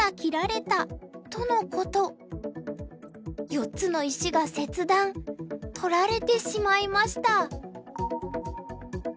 ４つの石が切断取られてしまいました。